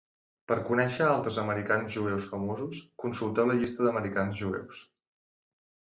Per conèixer altres americans jueus famosos, consulteu la llista d'americans jueus.